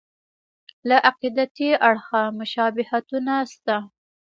له عقیدتي اړخه مشابهتونه شته.